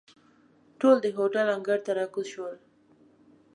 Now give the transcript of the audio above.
ټول د هوټل انګړ ته را کوز شول.